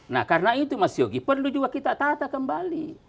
nah karena itu mas yogi perlu juga kita tata kembali